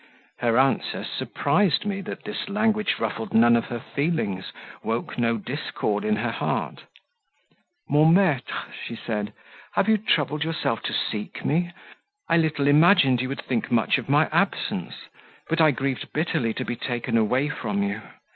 Her answer suprised me that this language ruffled none of her feelings, woke no discord in her heart: "Mon maitre," she said, "have you troubled yourself to seek me? I little imagined you would think much of my absence, but I grieved bitterly to be taken away from you.